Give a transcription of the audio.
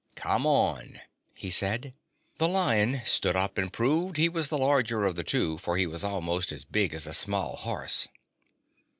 "Come on," he said. The Lion stood up and proved he was the larger of the two, for he was almost as big as a small horse.